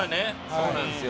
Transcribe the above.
そうなんですよ。